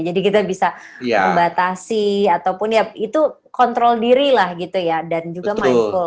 jadi kita bisa membatasi ataupun ya itu kontrol diri lah gitu ya dan juga mindfull